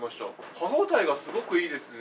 歯ごたえがすごくいいですね。